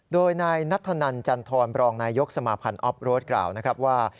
โดยนายนัทธนันจันทรบรองนายยกสมาพันธ์ออฟโรดกล่าวนะครับว่า